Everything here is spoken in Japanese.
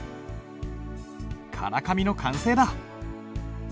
から紙の完成だ。